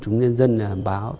chúng nhân dân báo